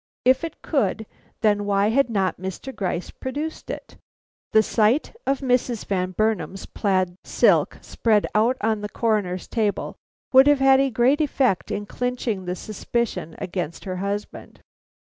If it could, then why had not Mr. Gryce produced it? The sight of Mrs. Van Burnam's plaid silk spread out on the Coroner's table would have had a great effect in clinching the suspicion against her husband.